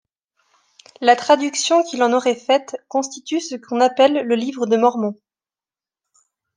La traduction qu'il en aurait faite constitue ce qu'on appelle le Livre de Mormon.